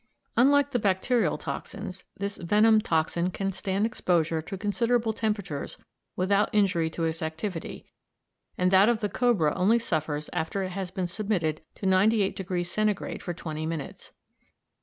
Unlike the bacterial toxins, this venom toxin can stand exposure to considerable temperatures without injury to its activity, and that of the cobra only suffers after it has been submitted to 98° Centigrade for twenty minutes.